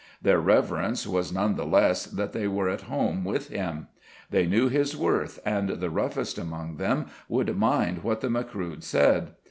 Their reverence was none the less that they were at home with him. They knew his worth, and the roughest among them would mind what the Macruadh said.